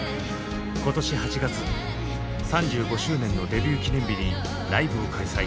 今年８月３５周年のデビュー記念日にライブを開催。